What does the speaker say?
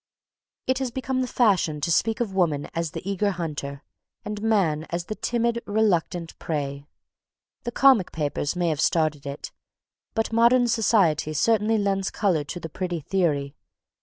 It has become the fashion to speak of woman as the eager hunter, and man as the timid, reluctant prey. The comic papers may have started it, but modern society certainly lends colour to the pretty theory.